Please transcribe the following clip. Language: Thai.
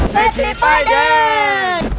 เศรษฐีป้ายแดง